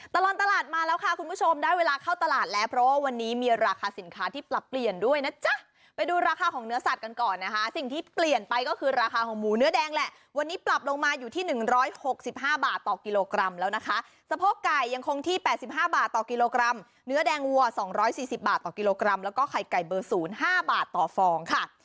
ตลอดตลาดมาแล้วค่ะคุณผู้ชมได้เวลาเข้าตลาดแล้วเพราะวันนี้มีราคาสินค้าที่ปรับเปลี่ยนด้วยนะจ๊ะไปดูราคาของเนื้อสัตว์กันก่อนนะคะสิ่งที่เปลี่ยนไปก็คือราคาของหมูเนื้อแดงแหละวันนี้ปรับลงมาอยู่ที่หนึ่งร้อยหกสิบห้าบาทต่อกิโลกรัมแล้วนะคะสะโพกไก่ยังคงที่แปดสิบห้าบาทต่อกิโลกรัม